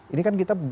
ini kan kita